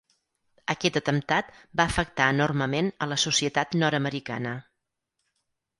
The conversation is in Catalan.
Aquest atemptat va afectar enormement a la societat nord-americana.